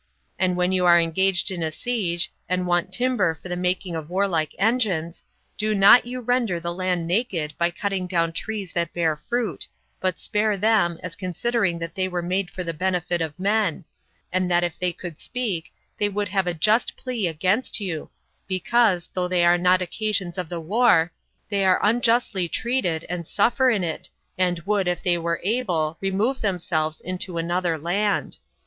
And when you are engaged in a siege; and want timber for the making of warlike engines, do not you render the land naked by cutting down trees that bear fruit, but spare them, as considering that they were made for the benefit of men; and that if they could speak, they would have a just plea against you, because, though they are not occasions of the war, they are unjustly treated, and suffer in it, and would, if they were able, remove themselves into another land.